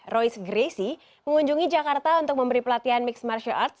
royce gracey mengunjungi jakarta untuk memberi pelatihan mixed martial arts